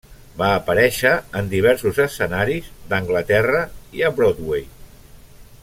Va aparèixer en diversos escenaris d'Anglaterra, i a Broadway.